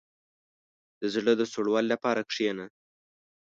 • د زړه د سوړوالي لپاره کښېنه.